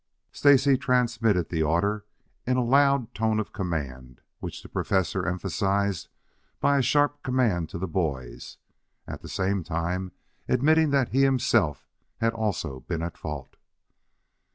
Stacy transmitted the order in a loud tone of command, which the Professor emphasized by a sharp command to the boys, at the same time admitting that he himself had also been at fault.